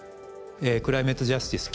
「クライメート・ジャスティス」